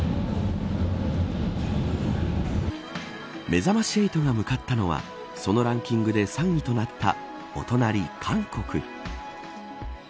めざまし８が向かったのはそのランキングで３位となったお隣、韓国。